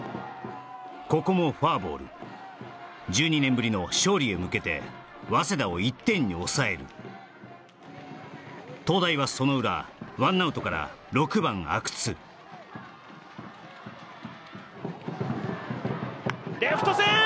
ここもフォアボール１２年ぶりの勝利へ向けて早稲田を１点に抑える東大はその裏１アウトから６番阿久津レフト線！